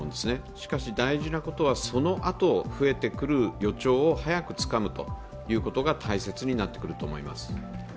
しかし大事なことは、そのあと増えてくる予兆を早くつかむということが大切になってくると思います。